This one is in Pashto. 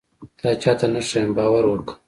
تا چاته نه ښيم باور وکه.